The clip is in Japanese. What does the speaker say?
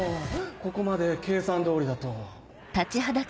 ここまで計算通りだと。